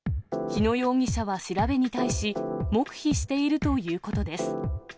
日野容疑者は調べに対し、黙秘しているということです。